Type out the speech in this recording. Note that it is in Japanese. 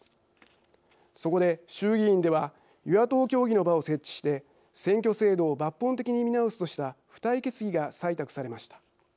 そこで衆議院では与野党協議の場を設置して選挙制度を抜本的に見直すとした付帯決議が採択されました。